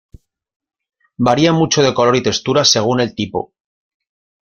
Varía mucho de color y textura, según el tipo.